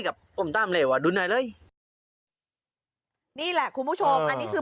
กับปุ้มตามเลยว่ะดุนอะไรเลยนี่แหละคุณผู้ชมอันนี้คือ